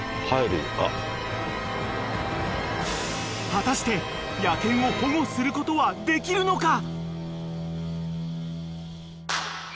［果たして野犬を保護することはできるのか？］